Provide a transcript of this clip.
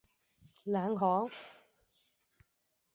冷巷